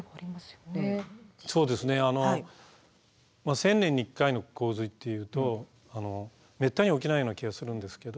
１０００年に１回の洪水っていうとめったに起きないような気がするんですけど